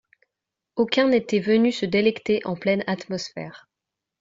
Aucun n'était venu se délecter en pleine atmosphère.